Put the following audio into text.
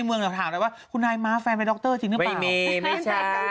คุณผู้ชมทางบ้านฟันแฟนรายการฝากผ้าขอบคุณค่า